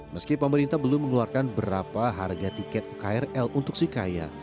meski pemerintah belum mengeluarkan berapa harga tiket ukr untuk si kaya